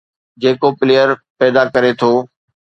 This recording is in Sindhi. جيڪو پليئر پيدا ڪري ٿو،